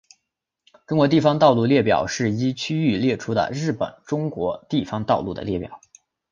中国地方道路列表是依区域列出日本中国地方道路的列表。